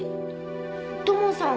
土門さん